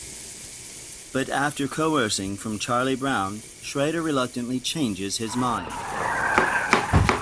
But after coercing from Charlie Brown, Schroeder reluctantly changes his mind.